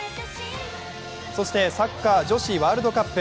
そしてサッカー女子ワールドカップ。